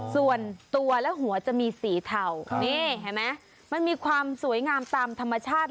ส่วนตัวและหัวจะมีสีเทามันมีความสวยงามตามธรรมชาติ